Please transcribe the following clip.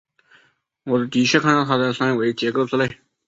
我的确看到它的三维结构之类。